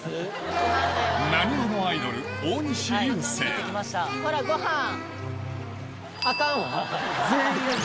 なにわのアイドルほらごはん！